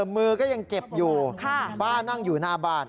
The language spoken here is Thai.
มือก็ยังเจ็บอยู่ป้านั่งอยู่หน้าบ้าน